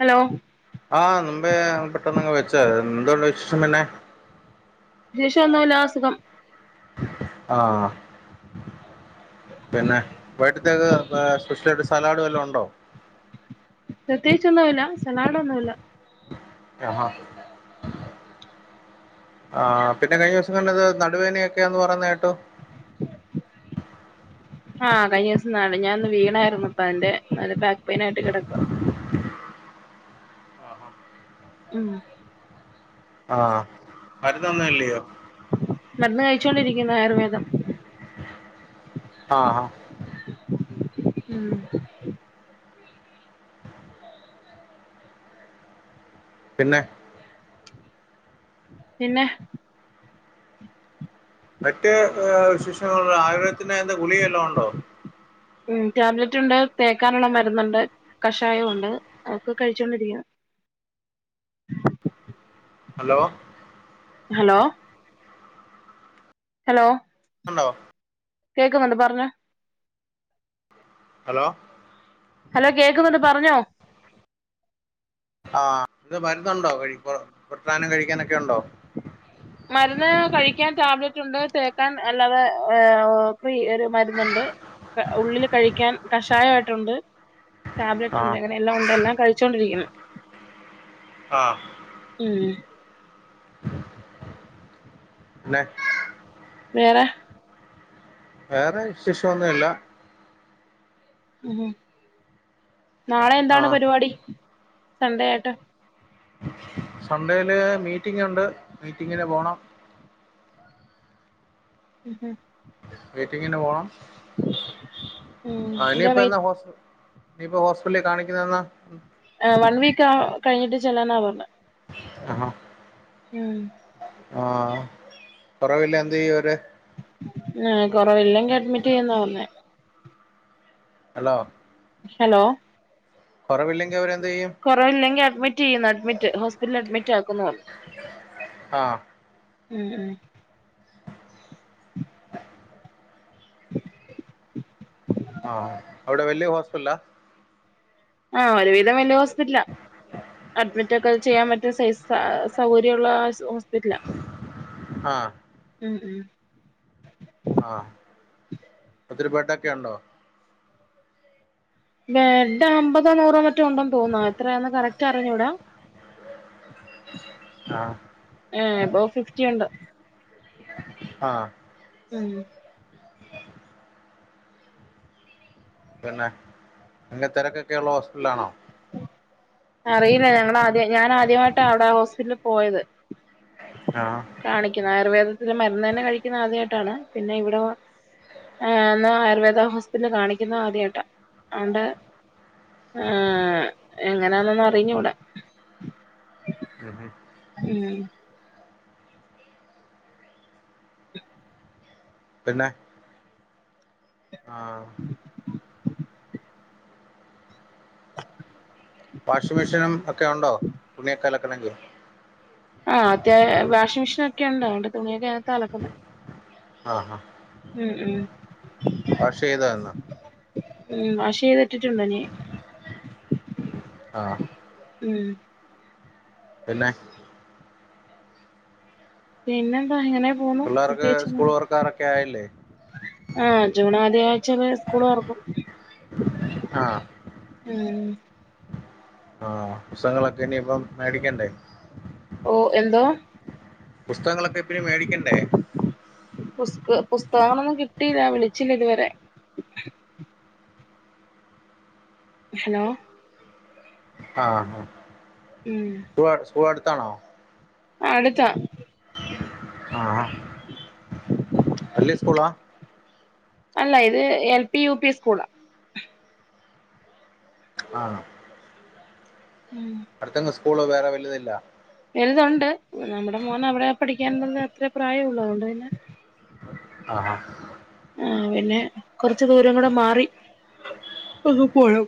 Hello ആ മുമ്പേ പെട്ടെന്നങ്ങ് വെച്ചോ എന്തുണ്ട് വിശേഷം പിന്നെ വിശേഷം ഒന്നുല്ല സുഖം ആഹ് പിന്നെ വയ്കിട്ടെത്തേക്ക് സ്പെഷ്യലായിട്ട് സലാഡ് വല്ലതും ഒണ്ടോ? പ്രത്യേകിച്ച് ഒന്നുവില്ല സലാടൊന്നുല്ല ആഹ് ആ പിന്നെ കഴിഞ്ഞ ദിവസം കണ്ടപ്പോ നടുവേനെയൊക്കെയാന്ന് പറയുന്നെ കേട്ടു ആ കഴിഞ്ഞ ദിവസം ഞാൻ ഒന്ന് വീണായിരുന്നു അപ്പ അതിന്റെ ബാക്ക് പെയിൻ ആയിട്ട് കെടക്കുവാ ഉം ആ മരുന്നൊന്നും ഇല്ലയോ? മരുന്ന് കഴിച്ചോണ്ടിരിക്കുന്ന ആയുർവേദം. ആ ആഹ് ഉം പിന്നെ പിന്നെ മറ്റ് വിശേഷങ്ങള ആയുർവേദത്തിന് എന്താ ഗുളികല്ലോ ഒണ്ടോ ഉം ടാബ്ലറ്റ് ഉണ്ട് തേക്കാനുള്ള മരുന്നുണ്ട് കഷായം ഉണ്ട് അതൊക്കെ കഴിച്ചോണ്ടിരിക്ക് ന്ന് ഹലോ ഹലോ ഹലോ ഉണ്ടോ? കേക്കുന്നുണ്ട് പറഞ്ഞൊ ഹലോ ഹലോ കേക്കുന്നുണ്ട് പറഞ്ഞോ ആഹ് ഇത് മരുന്നുണ്ടോ കഴ പൊര്ട്ടാനും കഴിക്കാനൊക്കെ ഒണ്ടോ മരുന്ന് കഴിക്കാൻ ടാബ്ലറ്റ് ഉണ്ട് തേക്കാൻ അല്ലാതെ ഫ്രീ ഒരു മരുന്നുണ്ട് ക്കെ ഉള്ളില് കഴിക്കാൻ കഷായിട്ടുണ്ട് ടാബ്ലറ്റ് ഉണ്ട് ആഹ് അങ്ങനെ എല്ലാം ഉണ്ട് എല്ലാം കഴിച്ചോണ്ടിരിക്കുന്നു ആ ഉം പിന്നെ വേറെ വേറെ വിശേഷൊന്നുല്ല ഉം നാളെ എന്താണ് ആഹ് പരിപാടി സൺഡേ ആയിട്ട് സൺണ്ടേല് മീറ്റിങ്ങുണ്ട് മീറ്റിങ്ങിന് പോണം ഹ് ഹ് മീറ്റിങ്ങിന് പോണം ഉം ആ എന്താ ഇനിപ്പെന്നാ വെയിറ്റ് ഹോസ് നിപ്പൊ ഹോസ്പിറ്റല് കാണിക്കുന്നെന്നാ ആ വൺ വീക്കാ കഴിഞ്ഞിട്ട് ചെല്ലാനാ പർഞ്ഞെ അ ഹ ഉം ആഹ് കൊറവില്ലെന്തെയ്യും അവര്ടെ ആ കൊറവില്ലെങ്കി അഡ്മിറ്റ് ചെയ്യുന്നാ പർഞ്ഞെ ഹലോ ഹലോ കൊറവില്ലെങ്കി അവരെന്തെയ്യും കൊറവില്ലെങ്കി അഡ്മിറ്റെയ്യും ന്ന് അഡ്മിറ്റ് ഹോസ്പിറ്റല് അഡ്മിറ്റാക്കും ന്ന് ആ ഉം ഉം ആഹ് അവടെ വെല്യ ഹോസ്പിറ്റ്ലാ ആഹ് ഒരു വീതം വെല്യോസ്പിറ്റ്ല അഡ്മിറ്റൊക്കെ ചെയ്യാൻ പറ്റ്ന്ന സെയ്‌സ് സൗകര്യള്ള ഹോസ്പിറ്റ്ല ആ ഉം ഉം ആ ഒത്തിരി ബെഡോക്കെ ഒണ്ടോ ബെഡ് അമ്പതോ നൂറോ മറ്റോ ഉണ്ടെന്ന് തോന്നുന്നു എത്രയാന്ന് കറക്റ്റ് അറിഞ്ഞൂടാ ആ ഏ എബോ ഫിഫ്റ്റി ഉണ്ട് ആ ഉം പിന്നെ ങ്ങൻത്തേനൊക്കെക്കൊള്ള ഹോസ്പിറ്റലാണോ അറിയില്ല ഞങ്ങളാദ്യ ഞാൻ ആദ്യമായിട്ടാ അവടാ ഹോസ്പിറ്റലിൽ പോയത് ആ കാണിക്കുന്നെ ആയുർവേദത്തില് മരുന്നെന്നെ കഴിക്കുന്നത് ആദ്യായിട്ടാണ് പിന്നെ ഇവിടെവന്ന് ആ ന്നാ ആയുർവേദ ഹോസ്പിറ്റലിൽ കാണിക്കുന്നതും ആദ്യായിട്ട അതോണ്ട് ഏ ങ്ങനാന്നൊന്നും അറിഞ്ഞൂട അതെ ഉം പിന്നെ ആ [inaudible] [inaudible] വാഷിംഗ് മെഷീനും ഒക്കെ ഉണ്ടോ തുണിയെക്കെ അലക്കണമെങ്കി ആഹ് അത്യാ വാഷിമെഷീനോക്കെ ഒണ്ട് അത് കൊണ്ട് തുണിയൊക്കെഅതിനകത്താഅലക്കുന്നെ ആഹ് ആഹ് ഉം ഉം ഇന്ന് ഉം വാഷ്ചെയ്തട്ടിട്ടുണ്ടന് ആഹ് ഉം പിന്നെ പിന്നെന്താ ഇങ്ങനെ പോന്നു പുള്ളാർക്ക് സ്കൂള് പ്രത്യേകിച്ചൊന്നും തോറക്കാറോക്കെ ആയില്ലേ ആഹ് ജൂൺആദ്യആഴ്ചെയില് സ്കൂള് തൊറക്കും. ആഹ് ഉം ആഹ് പുസ്തങ്ങളൊക്കെ ഇനി ഇപ്പം മേടിക്കണ്ടേ ഓ എന്തോ പുസ്തകങ്ങളൊക്കെ എപ്പിനും മേടിക്കണ്ടേ പുസ്ത പുസ്തകങ്ങളൊന്നും കിട്ടിയില്ല വിളിച്ചില്ല ഇതുവരെ ഹലോ ആഹ് ആഹ് ആഹ് ഉം സ്കൂൾ സ്കൂൾ അടുത്താണോ ആഹ് അടുത്താ ആഹ് ആഹ് വല്യ സ്കൂള അല്ല ഇത് എൽ പി യു പി സ്കൂളാ ആഹ് ഉം അടുത്തെങ്ങും സ്കൂള് വേറെ വലുതില്ല വെലുതുണ്ട് നമ്മുടെ മോനെ അവിടെ പഠിക്കൻന്ന് എത്ര പ്രായെള്ളൂ അതുകൊണ്ട് പിന്നെ ആഹ് ആഹ് ആഹ് പിന്നെ കൊറച്ച് ദൂരം കൂടെമാറി അങ്ങ് പോണം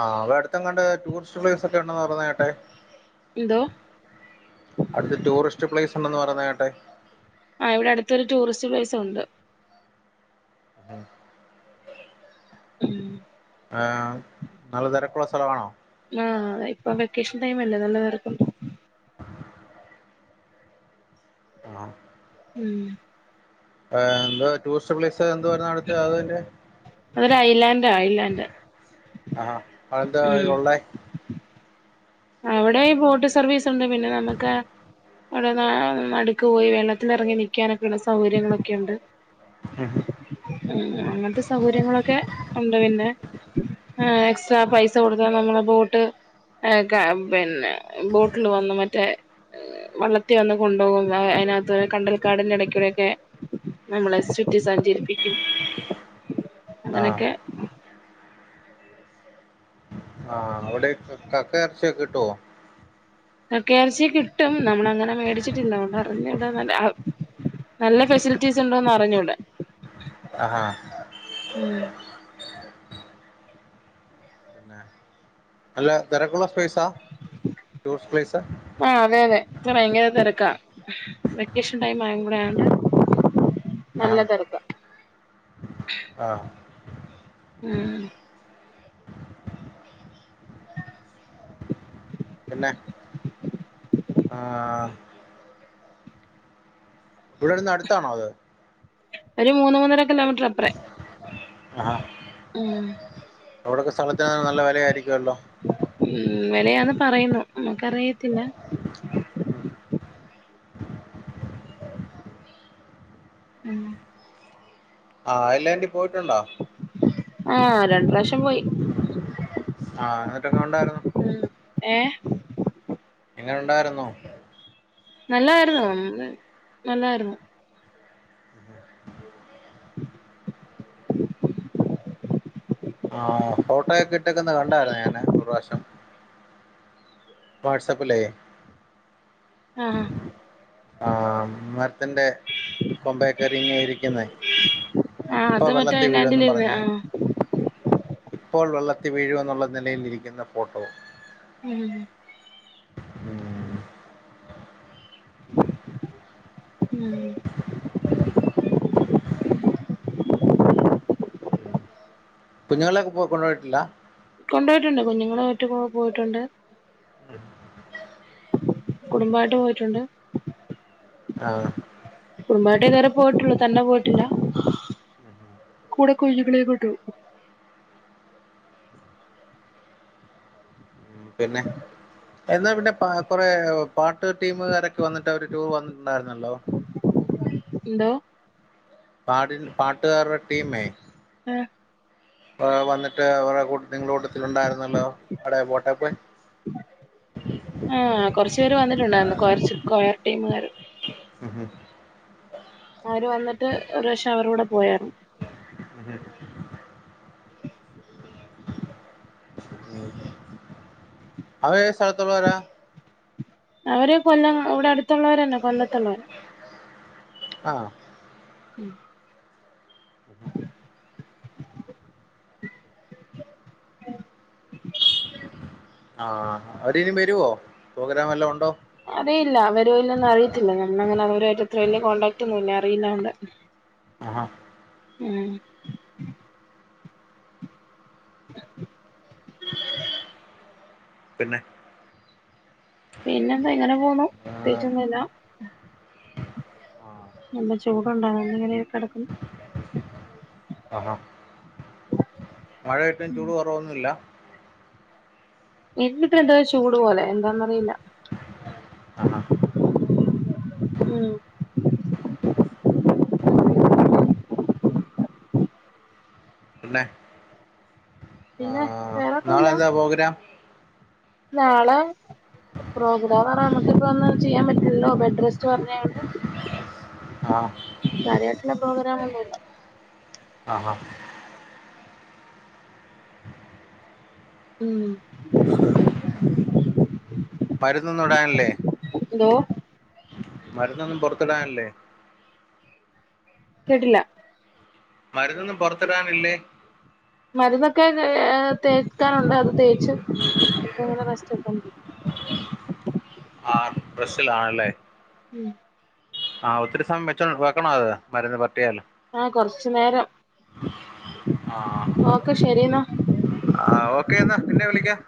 ആഹ് അവിടെ അടുത്തെങ്ങാണ്ട് ടൂറിസ്റ്റ് പ്ലേസ് ഒക്കെ ഉണ്ടന്ന് പറഞ്ഞ കേട്ട് എന്തോ അടുത്ത് ടൂറിസ്റ്റ് പ്ലേസ് ഉണ്ടന്ന് പറയുന്ന കേട്ട് ആഹ് ഇവിടെ അടുത്തൊരു ടൂറിസ്റ്റ് പ്ലേസ് ഒണ്ട് ഉം ആഹ് നല്ല തിരക്കുള്ള സ്ഥല ആണോ ആഹ് ഇപ്പൊ വെക്കേഷൻ ടൈം അല്ലേ നല്ലതർക്കും ഉം ആഹ് എന്തുവ ടൂറിസ്റ്റ് പ്ലേസ് എന്ന് പറഞ്ഞ അടുത്ത് അതിന്റെ അതോര് ഐലാൻഡ് ആഹ് ഐലാൻഡ് ആണോ അതെന്താ ഉം അളിന്റെവായിലോള്ളേ അവിടെ ബോട്ട് സർവീസ് ഒണ്ട് പിന്നെ നമുക്ക് അവിടെ ന നടുക്ക് പോയി വെള്ളത്തിലിറങ്ങി നൽക്കാനൊക്കെയ ഉള്ള സൗകര്യങ്ങളൊക്കെ ഉണ്ട് ഉം ഹ ഉ അങ്ങനത്തെ സൗകര്യങ്ങളൊക്കെ ഉണ്ട് പിന്നെ ആ എക്സ്ട്രാ പൈസ കൊടുത്താൽ നമ്മളെ ബോട്ട് പിന്നെ ബോട്ടിൽ വന്ന് മറ്റേ വള്ളത്തി വന്ന് കൊണ്ടുപോകും അതിനകത്ത് കണ്ടൽക്കാടിൻ ഇടയ്ക്കൂടൊക്കെ നമ്മളെ ചുറ്റി സഞ്ചരിപ്പിക്കും ആഹ് അങ്ങനെയൊക്കെ ആ അവിടെ കക്ക ഇറച്ചിയൊക്കെ കിട്ടുവോ കക്കേറച്ചി കിട്ടും നമ്മളഅങ്ങനെ മേടിച്ചിട്ടില്ലതുകൊണ്ട് അറിഞ്ഞൂട എന്നാലും നല്ല നല്ല ഫെസിലിറ്റീസ് ഉണ്ടോന്ന് അറിഞ്ഞൂട ആഹ് ഉം അല്ല തെരക്കുള്ള പ്ലെസാ ടൂറിസ്റ്റ് പ്ലേസാ ആഹ് അതെ അതെ ഇപ്പൊ ഭയങ്കര തെരക്കാ വെക്കേഷൻ ടൈം ആയേം കൂടെ ആണ് നല്ല ആഹ് തെരക്ക ആഹ് ഉം [unintelligible] പിന്നെ [inaudible] ആഹ് ഇവിടെന്ന് അടുത്താണോ അത് ഒരു മൂന്ന് മൂന്നര കിലോമീറ്റർ അപ്പറെ ആഹാ ഉം ഇവിടൊക്കെ സ്ഥലതിന് നല്ല വെ ലയാരികുവല്ലോ ഉം വെലയാന്ന് പറയുന്നു നമുക്കറിയത്തില്ല ഉം ആഹ അയ്ലണ്ടി പോയിട്ടുണ്ടൊ ആഹ രണ്ട് പ്രാവശ്യം പോയി ആഹ എന്നിട്ടൊക്കെണ്ടായിരുന്നു ഉ ഏ എങനെയുണ്ടാരുന്നു നല്ലായിരുന്നു നല്ലായിരുന്നു ആഹ് ഫോട്ടോയൊക്കെ ഇട്ടേക്കണ കണ്ടായിരുന്നു ഞാന് ഒരു പ്രാവശ്യം വാട്സാപ്പിലേ ആഹ് ആഹ് മരത്തിന്റെ കൊമ്പേക്കേറിങ്ങനെ ഇരിക്കുന്നെ ആഹ് ഇപ്പൊ അത് മറ്റേ വെള്ളത്തിൽ വീഴോന്നും ഐലാൻഡിലിരുന്ന് പറഞ്ഞേ ആഹ് ഉം ഇപ്പോൾ വെള്ളത്തി വീഴൂ എന്നുള്ള നിലയിലിരിക്കുന്ന ഫോട്ടോ ഉം ഉം ഉം കുഞ്ഞുങ്ങളൊക്കെ കൊണ്ട് പോയിട്ടില്ല കൊണ്ടുപോയിട്ടുണ്ട് കുഞ്ഞുങ്ങളെആയിട്ട് പോയിട്ടുണ്ട് കുടുംബായിട്ട് പോയിട്ടുണ്ട് ആഹ് കുടുംബായിട്ടേ ഇതരേ പോയിട്ടള്ളു തന്നെ പോയിട്ടില്ല. കൂട കൊയ്ഞ്ഞിക്ക്ണേ കൊട്ടു ഉം പിന്നെ? എന്നാ പിന്നെ പ കൊറെ പാട്ട് ടീമുകാരൊക്കെ വന്നിട്ട് അവര് ടൂർ വന്നിട്ടുണ്ടായിരുന്നല്ലോ. എന്തോ? പാടി പാട്ടുകാരുടെ ടീമേ ആഹ് ആഹ് വന്നിട്ട് അവരെ കൂട്ട് നിങ്ങളുടെ കൂട്ടത്തില് ഉണ്ടായിരുന്നല്ലോ അഒടെ പോട്ടെ പോയി ആഹ് കൊറച്ച് പേര് വന്നിട്ടുണ്ടായിരുന്നു കൊറച്ച് കൊയർ ടീമുകാര്. ഹ് ഹും അവര് വന്നിട്ട് ഒരുവാശം അവര്ടെ കൂടെ പോയാരുന്നു. അതെ അവരേത് സ്ഥലത്തുള്ളോരാ? അവര് കൊല്ലം ഇവടെ അടുത്തുള്ളവരന്നെ കൊല്ലത്തുള്ളവര. ആഹ് ഉം ആഹ് അവരിനും വരോ പ്രോഗ്രാം എല്ലാം ഉണ്ടോ? അറിയില്ല അവര് ഇല്ലെന്നു അറിയത്തില്ല. നമ്മൾ അങ്ങനെ അവരുമായിട്ട് അത്ര വല്യ കോണ്ടടാക്ട് ഒന്നുംല്ല്യ അറിയില്ലൊണ്ട്. ആഹ് പിന്നെ? പിന്നെന്ത ഇങ്ങനെ പോന്നു ആഹ് പ്രത്യേകിച്ചൊന്നുല്ല. ആഹ് നല്ല ചൂട്ണ്ടാ? വെർതെ ഇങ്ങനെ കടക്കുന്നു. അഹാ മഴയായിട്ടും ചൂട് കൊറവൊന്നുല്ല. ഇന്ന് ഇപ്പൊ എന്താ ചൂടു പോലെ എന്താന്നറിയില്ല. അഹാ ഉം പിന്നെ? പിന്നെ ആഹ് നാളെ വേറൊന്നൂല്ല എന്താ പ്രോഗ്രാം നാളെ പ്രോഗ്രാം ആണേ നമ്മക്ക് ഇപ്പൊ ഒന്നും ചെയ്യാൻ പറ്റൂലല്ലോ ബെഡ് റെസ്റ്റ് പറഞ്ഞോണ്ട്. ആഹ് കാര്യായിട്ടുള്ള പ്രോഗ്രമൊന്നും ഇല്ല അഹാ ഉം മരുന്നൊന്നും ഇടാനില്ലേ? ഹലോ? മരുന്നൊന്നും പൊറത്തിടാനില്ലേ? കേട്ടില്ല? മരുന്നൊന്നും പൊറത്തിടാനില്ലേ? മരുന്നൊക്കെ തേ ഹേ തേക്കാനുണ്ട് അത് തേച്ച് ഇപ്പൊ ഇങ്ങനെ റസ്റ്റ്‌ എടുത്തോണ്ടിരിക്ക. റെസ്റ്റിൽ ആണല്ലേ ഉം ആഹ് ഒത്തിരിമയം വെച്ച വെക്കണൊ അത് മരുന്ന് പെരട്ടിയാല് ആഹ് കൊറച്ചു നേരം ആഹ് ഓക്കെ ശരി എന്നാ ആഹ് ഓക്കെ എന്നാ പിന്നെ വിളിക്കാം